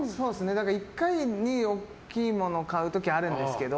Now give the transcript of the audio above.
１回に大きいものを買う時あるんですけど